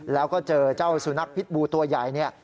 แล้วก็เจอเจ้าสุนัขพิษบูตัวใหญ่เนี่ย